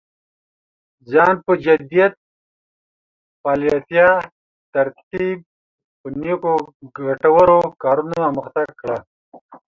ځان په جديت، فعاليتا، ترتيب په نيکو او ګټورو کارونو اموخته کړه.